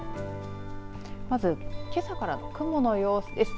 まず、けさからの雲の様子です。